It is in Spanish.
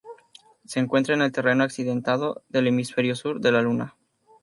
Se encuentra en el terreno accidentado del hemisferio sur de la Luna.